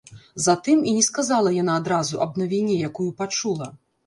Затым і не сказала яна адразу аб навіне, якую пачула.